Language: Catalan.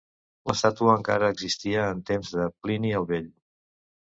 L'estàtua encara existia en temps de Plini el Vell.